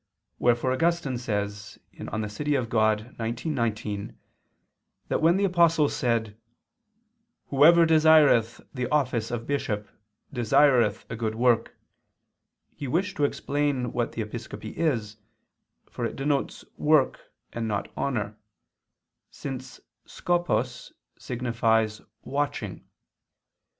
Wherefore Augustine says (De Civ. Dei xix, 19) that when the Apostle said, "'Whoever desireth the office of bishop, desireth a good work,' he wished to explain what the episcopacy is: for it denotes work and not honor: since skopos signifies 'watching.'